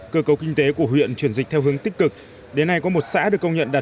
cơ cấu kinh tế của huyện chuyển dịch theo hướng tích cực đến nay có một xã được công nhận đạt